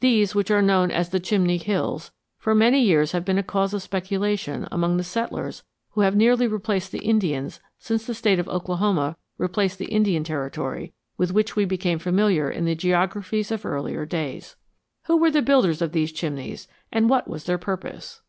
These, which are known as the Chimney Hills, for many years have been a cause of speculation among the settlers who have nearly replaced the Indians since the State of Oklahoma replaced the Indian Territory with which we became familiar in the geographies of earlier days. Who were the builders of these chimneys and what was their purpose?